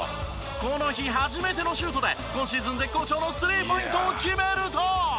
この日初めてのシュートで今シーズン絶好調のスリーポイントを決めると。